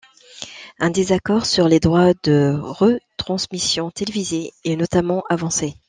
Un désaccord sur les droits de retransmissions télévisés est notamment avancé.